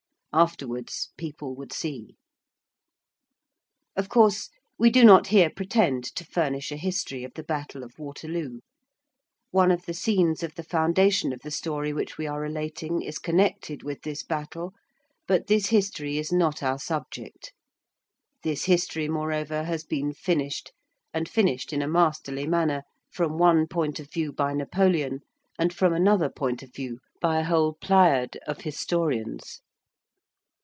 Afterwards people would see. Of course, we do not here pretend to furnish a history of the battle of Waterloo; one of the scenes of the foundation of the story which we are relating is connected with this battle, but this history is not our subject; this history, moreover, has been finished, and finished in a masterly manner, from one point of view by Napoleon, and from another point of view by a whole pleiad of historians.